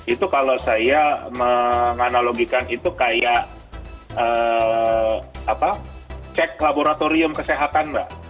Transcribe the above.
itu kalau saya menganalogikan itu kayak cek laboratorium kesehatan mbak